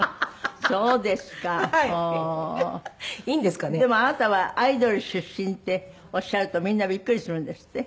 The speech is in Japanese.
でもあなたはアイドル出身っておっしゃるとみんなビックリするんですって？